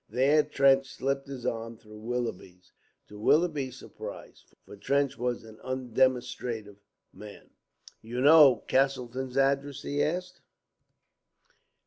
There Trench slipped his arm through Willoughby's, to Willoughby's surprise, for Trench was an undemonstrative man. "You know Castleton's address?" he asked.